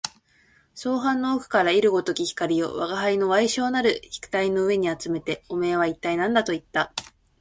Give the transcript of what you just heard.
双眸の奥から射るごとき光を吾輩の矮小なる額の上にあつめて、おめえは一体何だと言った